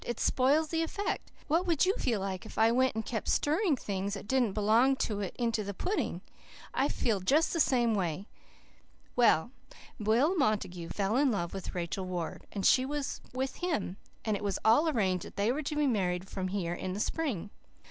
It spoils the effect. What would you feel like if I went and kept stirring things that didn't belong to it into that pudding? I feel just the same way. Well, Will Montague fell in love with Rachel Ward, and she with him, and it was all arranged that they were to be married from here in the spring.